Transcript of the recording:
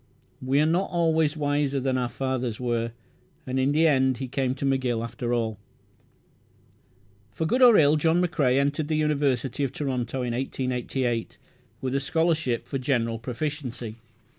We are not always wiser than our fathers were, and in the end he came to McGill after all. For good or ill, John McCrae entered the University of Toronto in 1888, with a scholarship for "general proficiency".